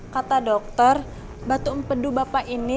kata dokter batu empedu bapak ini